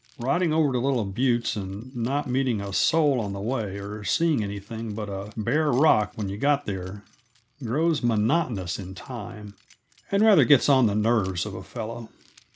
Riding over to little buttes, and not meeting a soul on the way or seeing anything but a bare rock when you get there, grows monotonous in time, and rather gets on the nerves of a fellow.